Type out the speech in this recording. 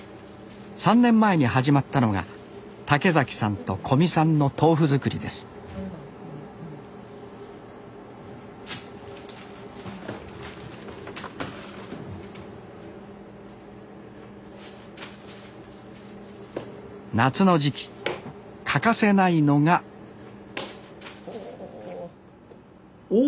３年前に始まったのが竹さんと古味さんの豆腐作りです夏の時期欠かせないのがお！